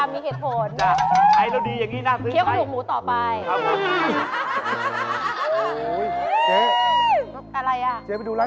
มันพื้นเวียบเลย